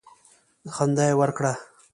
خندا یې وکړه.